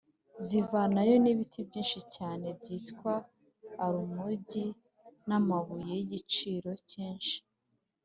zivanayo n’ibiti byinshi cyane byitwa alumugi, n’amabuye y’igiciro cyinshi